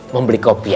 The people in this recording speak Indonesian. membeli kopi ya